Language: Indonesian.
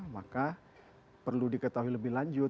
maka perlu diketahui lebih lanjut